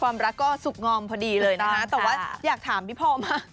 ความรักก็สุขงอมพอดีเลยนะคะแต่ว่าอยากถามพี่พ่อมาก